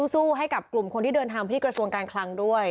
สู้ให้กับกลุ่มคนที่เดินทางไปที่กระทรวงการคลังด้วย